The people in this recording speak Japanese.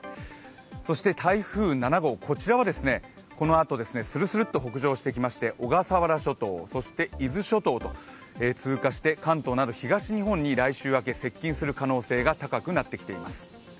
そして台風７号、こちらはこのあとスルスルッと北上してきまして小笠原諸島、そして伊豆諸島を通過して関東など東日本に来週明け接近する可能性が高くなっています。